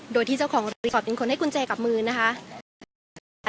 โดยที่เจ้าของรีสอร์ทเป็นคนให้กุญแจกับมือนะคะ